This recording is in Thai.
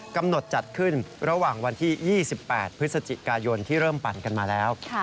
จัดขึ้นระหว่างวันที่๒๘พฤศจิกายนที่เริ่มปั่นกันมาแล้ว